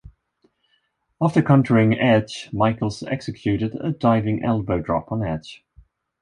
After countering Edge, Michaels executed a diving elbow drop on Edge.